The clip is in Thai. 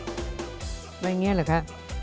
ได้อย่างนี้หรือคะ